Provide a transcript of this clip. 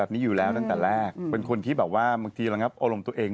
พลิกต๊อกเต็มเสนอหมดเลยพลิกต๊อกเต็มเสนอหมดเลย